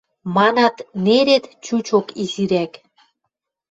Манат, нерет чучок изирӓк?